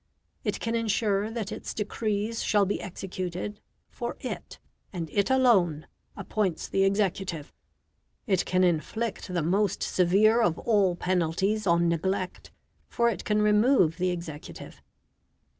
It can ensure that its decrees shall be executed, for it, and it alone, appoints the executive; it can inflict the most severe of all penalties on neglect, for it can remove the executive.